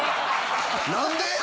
何で？